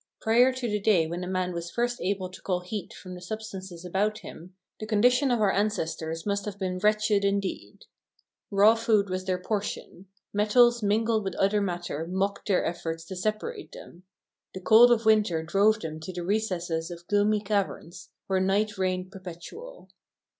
Prior to the day when a man was first able to call heat from the substances about him the condition of our ancestors must have been wretched indeed. Raw food was their portion; metals mingled with other matter mocked their efforts to separate them; the cold of winter drove them to the recesses of gloomy caverns, where night reigned perpetual.